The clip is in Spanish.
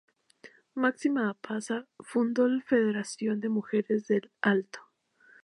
Máxima Apaza fundó la Federación de Mujeres de El Alto.